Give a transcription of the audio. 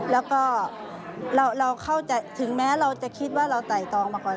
แล้วก็เราเข้าใจถึงแม้เราจะคิดว่าเราไต่ตองมาก่อน